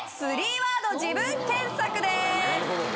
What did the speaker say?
３ワード自分検索です